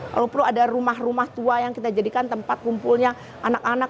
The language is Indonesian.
kalau perlu ada rumah rumah tua yang kita jadikan tempat kumpulnya anak anak